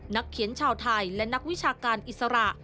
นักเขียนชาวไทยและนักวิชาการอิสระ